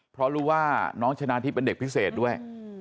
เพราะรู้ว่าน้องชนะทิพย์เป็นเด็กพิเศษด้วย